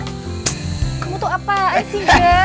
kamu tuh apaan sih gek